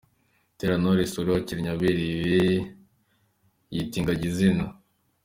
Butera Knowless wari wakenye aberewe yita ingagi izina.